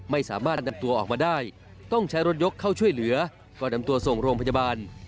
ไม่สามารถนำตัวออกมาได้ต้องใช้รถยกเข้าช่วยเหลือก่อนนำตัวส่งโรงพยาบาล